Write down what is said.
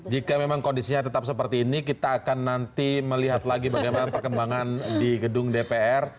jika memang kondisinya tetap seperti ini kita akan nanti melihat lagi bagaimana perkembangan di gedung dpr